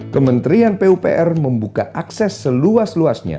kementerian pupr membuka akses seluas luasnya